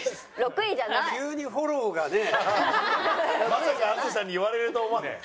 まさか淳さんに言われると思わない。